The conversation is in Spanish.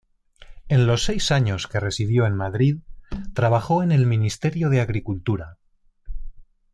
En los seis años que residió en Madrid trabajó en el Ministerio de Agricultura.